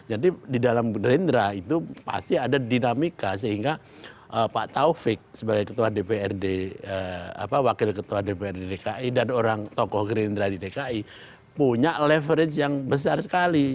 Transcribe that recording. jadi di dalam gerindra itu pasti ada dinamika sehingga pak taufik sebagai ketua dprd wakil ketua dprd dki dan orang tokoh gerindra di dki punya leverage yang besar sekali